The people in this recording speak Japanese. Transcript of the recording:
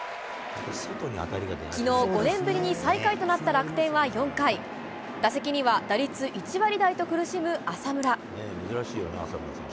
きのう、５年ぶりに最下位となった楽天は４回、打席には打率１割台と苦しむ浅村。